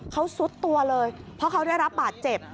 เขาซุดตัวเลยเพราะเขาได้รับบาดเจ็บ